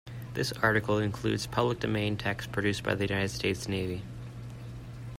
This article includes public domain text produced by the United States Navy.